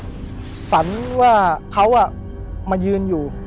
ผมก็ไม่เคยเห็นว่าคุณจะมาทำอะไรให้คุณหรือเปล่า